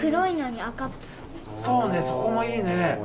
そうねそこもいいね。